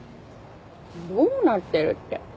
どうなってるって。